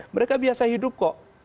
mereka biasa hidup kok